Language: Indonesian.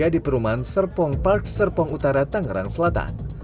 di perumahan serpong park serpong utara tangerang selatan